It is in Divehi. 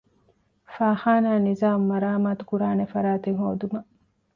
ފާޚާނާ ނިޒާމު މަރާމާތުކުރާނެ ފަރާތެއް ހޯދުމަށް